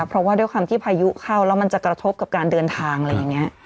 เพราะว่าด้วยความที่พายุเข้าแล้วมันจะกระทบกับการเดินทางอะไรอย่างนี้